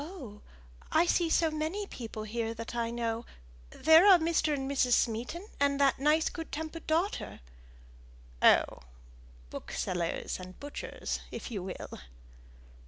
"Oh! I see so many people here that I know. There are Mr. and Mrs. Smeaton, and that nice good tempered daughter." "Oh! booksellers and butchers if you will."